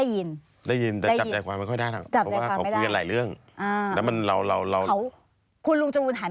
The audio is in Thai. พี่แผนเองบ้างไหม